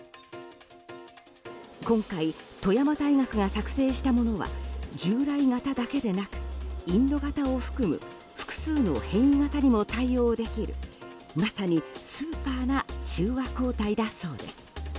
今回、富山大学が作製したものは従来型だけでなくインド型を含む複数の変異型にも対応できる、まさにスーパーな中和抗体だそうです。